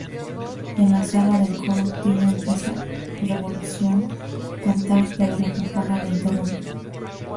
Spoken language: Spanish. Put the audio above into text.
En la sala del coro Tina empieza Revolución cantar pero la campana la interrumpe.